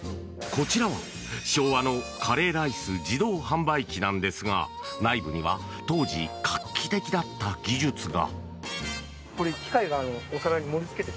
こちらは、昭和のカレーライス自動販売機なのですが内部には、当時画期的だった技術が。